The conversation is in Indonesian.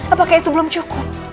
apakah itu belum cukup